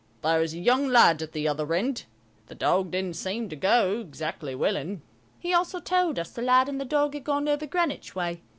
There was a young lad at the other end. The dog didn't seem to go exactly willing." He also told us the lad and the dog had gone over Greenwich way.